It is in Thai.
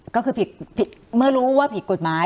ก็คือผิดเมื่อรู้ว่าผิดกฎหมาย